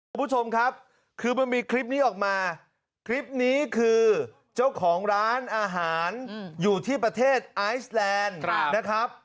คุณผู้ชมครับคือมันมีคลิปนี้ออกมาคลิปนี้คือเจ้าของร้านอาหารอยู่ที่ประเทศไอซแลนด์นะครับ